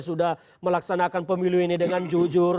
sudah melaksanakan pemilu ini dengan jujur